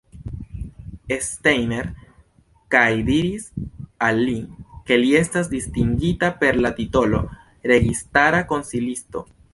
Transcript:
Steiner kaj diris al li, ke li estas distingita per la titolo "registara konsilisto".